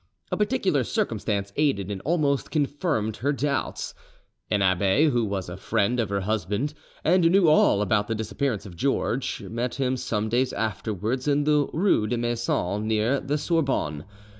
A particular circumstance aided and almost confirmed her doubts. An abbe who was a friend of her husband, and knew all about the disappearance of George, met him some days afterwards in the rue des Masons, near the Sorbonne.